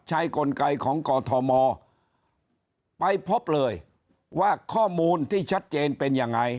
กลไกของกอทมไปพบเลยว่าข้อมูลที่ชัดเจนเป็นยังไง